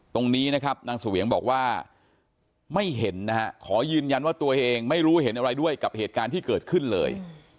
ตรงนี้นะครับนางเสวียงบอกว่าไม่เห็นนะฮะขอยืนยันว่าตัวเองไม่รู้เห็นอะไรด้วยกับเหตุการณ์ที่เกิดขึ้นเลย